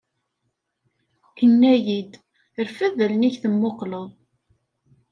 Inna-yi-d: Rfed allen-ik tmuqleḍ!